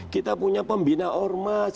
kita punya pembina ormas